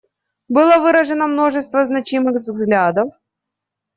Было выражено множество значимых взглядов.